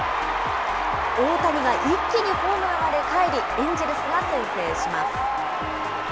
大谷が一気にホームまでかえり、エンジェルスが先制します。